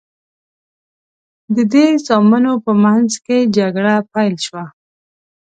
د دې زامنو په منځ کې جګړه پیل شوه.